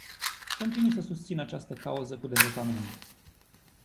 Continui să susțin această cauză cu devotament.